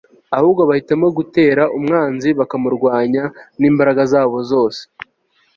ahubwo bahitamo gutera umwanzi bakamurwanya n'imbaraga zabo zose